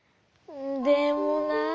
でもなあ。